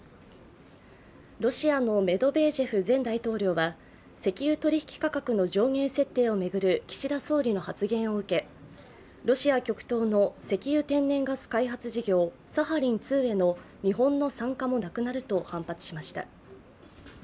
ろしあのメドベージェフ前大統領が石油取引価格の上限設計を巡る岸田総理の発言を受けロシア極東の石油・天然ガス開発事業、サハリン２への日本の参加もなくなると反発しました。